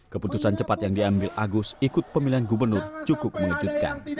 keputusan cepat yang diambil agus ikut pemilihan gubernur cukup mengejutkan